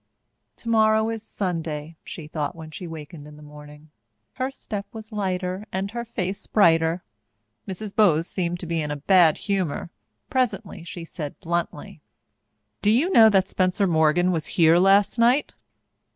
Tomorrow is Sunday, she thought when she wakened in the morning. Her step was lighter and her face brighter. Mrs. Bowes seemed to be in a bad humour. Presently she said bluntly: "Do you know that Spencer Morgan was here last night?"